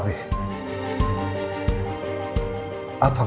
apa golongan darahnya